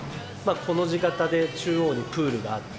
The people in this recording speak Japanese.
コの字形で中央にプールがあって。